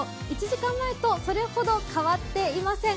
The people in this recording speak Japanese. １時間前とそれほど変わっていません。